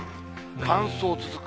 乾燥続く。